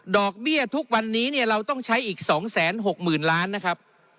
เบี้ยทุกวันนี้เนี่ยเราต้องใช้อีก๒๖๐๐๐ล้านนะครับ